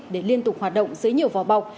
để liên tục hoạt động dưới nhiều vò bọc